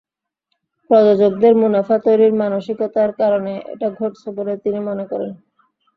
প্রযোজকদের মুনাফা তৈরির মানসিকতার কারণে এটা ঘটছে বলে তিনি মনে করেন।